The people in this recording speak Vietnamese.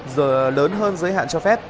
giờ lớn hơn giới hạn cho phép